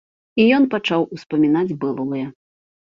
І ён пачаў успамінаць былое.